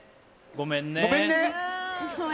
ごめんね。